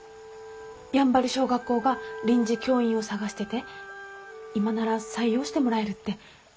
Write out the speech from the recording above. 山原小学校が臨時教員を探してて今なら採用してもらえるって。